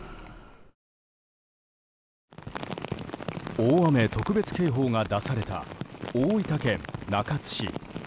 大雨特別警報が出された大分県中津市。